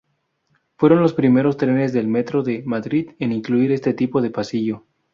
Fueron los primeros trenes del Metro de Madrid en incluir este tipo de pasillo.